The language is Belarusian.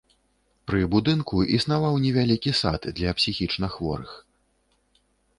Пры будынку існаваў невялікі сад для псіхічнахворых.